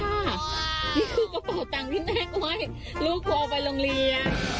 นี่ค่ะนี่คือกระเป๋าตังที่แม่งไว้ลูกกว่าไปโรงเรียน